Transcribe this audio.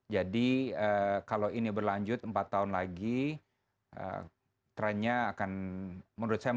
jadi kalau ini berlanjut empat tahun lagi trendnya akan menurunkan amerika